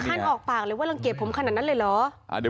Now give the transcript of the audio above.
ท่านออกปากเลยว่ารังเกียจผมขนาดนั้นเลยเหรอ